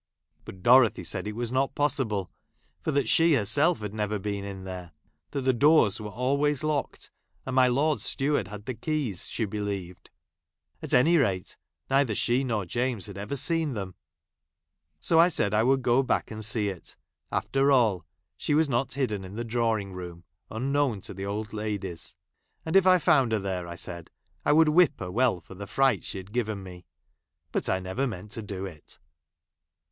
| But Dorothy said it was not possible, for that she herself had never been in there ; that the doors were always locked, and my lord's steward had the keys, she believed ; at any rate, neither she nor James had ever seen them : so, I said I would go back and see if, after all, she was not hidden in the draw j iug room, unknown to the old ladies ; anti if • I found her there, I said, I would whip her well for the fright she had given me ; but I | never meant to do it.